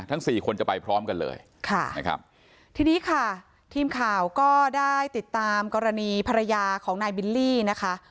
สี่คนจะไปพร้อมกันเลยค่ะนะครับทีนี้ค่ะทีมข่าวก็ได้ติดตามกรณีภรรยาของนายบิลลี่นะคะ